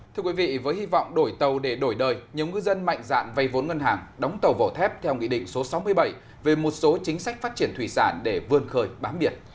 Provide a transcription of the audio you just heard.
thưa quý vị với hy vọng đổi tàu để đổi đời nhiều ngư dân mạnh dạn vây vốn ngân hàng đóng tàu vỏ thép theo nghị định số sáu mươi bảy về một số chính sách phát triển thủy sản để vươn khơi bám biệt